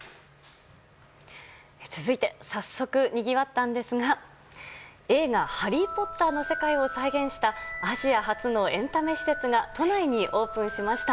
続いて早速にぎわったんですが映画「ハリー・ポッター」の世界を再現したアジア初のエンタメ施設が都内にオープンしました。